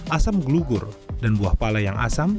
asam glugur dan buah pala yang asam